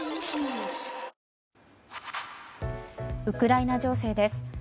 ウクライナ情勢です。